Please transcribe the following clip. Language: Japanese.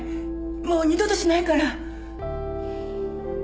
もう二度としないから！